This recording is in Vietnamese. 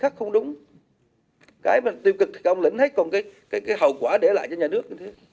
cái tiêu cực công lĩnh hết còn cái hậu quả để lại cho nhà nước